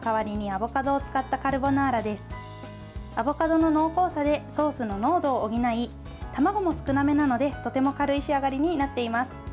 アボカドの濃厚さでソースの濃度を補い卵も少なめなのでとても軽い仕上がりになっています。